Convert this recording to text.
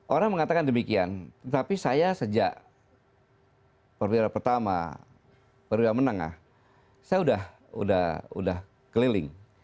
orang mengatakan demikian tetapi saya sejak perwira pertama perwira menengah saya sudah keliling